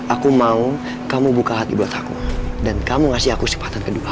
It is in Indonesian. aku mau kamu buka hati buat aku dan kamu ngasih aku kesempatan kedua